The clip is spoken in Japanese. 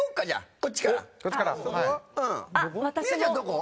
美和ちゃんどこ？